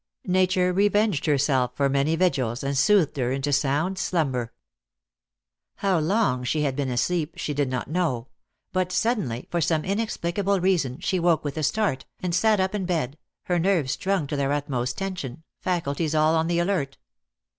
Nature revenged herself for many vigils, and soothed her into sound slumber. How long she had been asleep she did not know, but suddenly, for some inexplicable reason, she woke with a start, and sat up in the bed, her nerves strung to their utmost tension, faculties all on the alert.